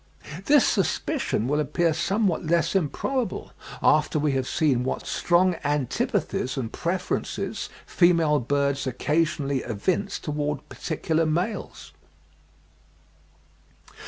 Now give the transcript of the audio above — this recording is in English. This suspicion will appear somewhat less improbable after we have seen what strong antipathies and preferences female birds occasionally evince towards particular males.